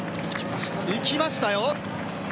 いきましたよ。